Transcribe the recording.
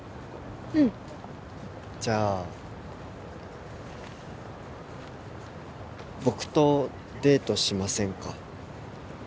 うんじゃあ僕とデートしませんか？